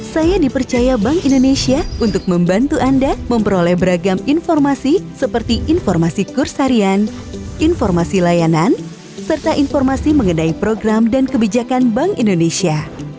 saya dipercaya bank indonesia untuk membantu anda memperoleh beragam informasi seperti informasi kurs harian informasi layanan serta informasi mengenai program dan kebijakan bank indonesia